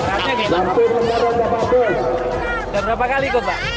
lampungnya berenang empat kali